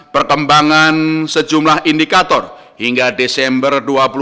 perkembangan sejumlah indikator hingga desember dua ribu dua puluh